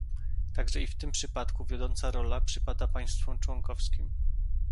Także i w tym przypadku wiodąca rola przypada państwom członkowskim